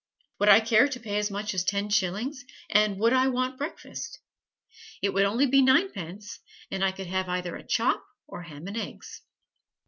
Would I care to pay as much as ten shillings, and would I want breakfast? It would only be ninepence, and I could have either a chop or ham and eggs.